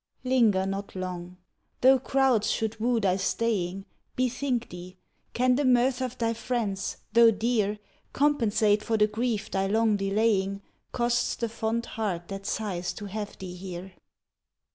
Linger not long. Though crowds should woo thy staying, Bethink thee, can the mirth of thy friends, though dear, Compensate for the grief thy long delaying Costs the fond heart that sighs to have thee here?